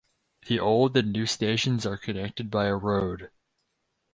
The old and new stations are connected by a road.